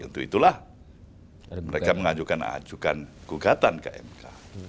untuk itulah mereka mengajukan ajukan gugatan ke mk